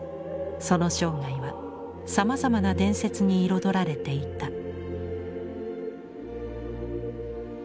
その生涯はさまざまな伝説に彩られていた。